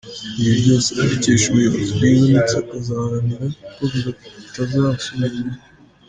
Ngo ibi byose arabikesha ubuyobozi bwiza ndetse akazaharanira ko bitazasubira inyuma.